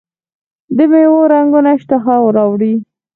د میوو رنګونه اشتها راوړي.